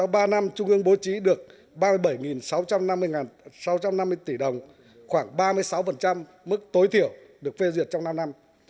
bố trí được ba mươi bảy sáu trăm năm mươi tỷ đồng khoảng ba mươi sáu mức tối thiểu được phê duyệt trong năm năm